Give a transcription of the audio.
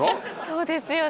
そうですよね。